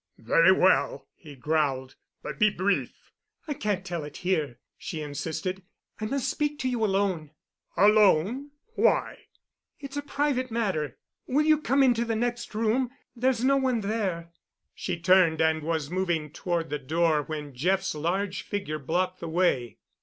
"Very well," he growled, "but be brief." "I can't tell it here," she insisted. "I must speak to you alone." "Alone? Why?" "It's a private matter. Will you come into the next room, there's no one there——" She turned and was moving toward the door when Jeff's large figure blocked the way.